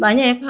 banyak ya pak